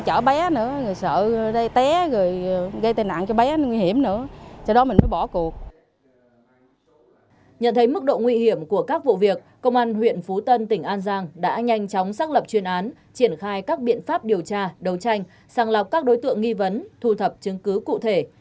trước tình trạng trên lực lượng công an huyện đã nhanh chóng xác lập chuyên án triển khai các biện pháp điều tra đấu tranh sàng lọc các đối tượng nghi vấn thu thập chứng cứ cụ thể